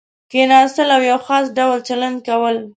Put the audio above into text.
کېناستل او یو خاص ډول چلند کول.